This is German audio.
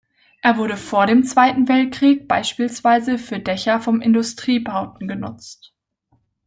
Es wurde vor dem Zweiten Weltkrieg beispielsweise für Dächer von Industriebauten genutzt.